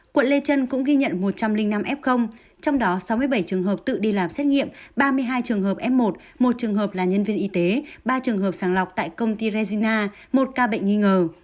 quận lê trân cũng ghi nhận một trăm linh năm f trong đó sáu mươi bảy trường hợp tự đi làm xét nghiệm ba mươi hai trường hợp f một một trường hợp là nhân viên y tế ba trường hợp sàng lọc tại công ty regina một ca bệnh nghi ngờ